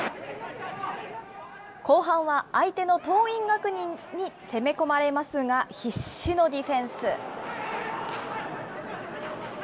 後半は相手の桐蔭学園に攻め込まれますが、必死のディフェンス。